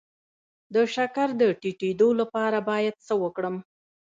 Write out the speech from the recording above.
د شکر د ټیټیدو لپاره باید څه وکړم؟